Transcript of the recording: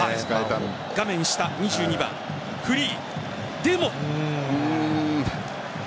画面下、２２番フリー。